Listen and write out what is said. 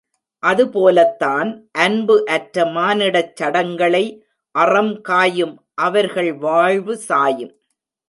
அதுபோலத்தான் அன்பு அற்ற மானிடச் சடங்களை அறம் காயும் அவர்கள் வாழ்வு சாயும்.